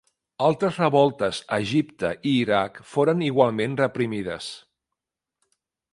Altres revoltes a Egipte i Iraq foren igualment reprimides.